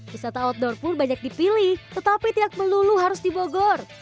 wisata outdoor pun banyak dipilih tetapi tiap melulu harus dibogor